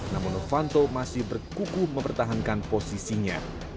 namun novanto masih berkuku mempertahankan posisinya